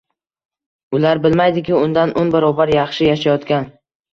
Ular bilmaydiki, undan o'n barobar yaxshi yashayotgan